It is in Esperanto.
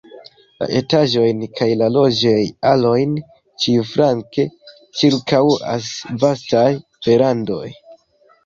La etaĝojn kaj la loĝej-alojn ĉiuflanke ĉirkaŭas vastaj verandoj.